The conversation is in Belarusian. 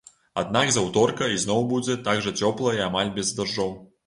Аднак з аўторка ізноў будзе так жа цёпла і амаль без дажджоў.